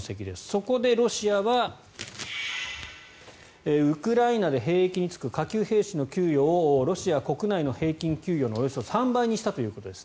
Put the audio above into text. そこでロシアはウクライナで兵役に就く下級兵士の給与をロシア国内の平均給与のおよそ３倍にしたということです。